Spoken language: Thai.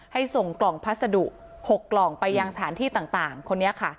ส่งกล่องพัสดุ๖กล่องไปยังสถานที่ต่างคนนี้ค่ะ